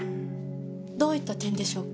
どういった点でしょうか？